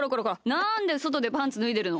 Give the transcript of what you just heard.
なんでそとでパンツぬいでるの！